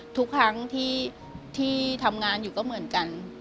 ทุกครั้งที่ทำงานอยู่ก็เหมือนกัน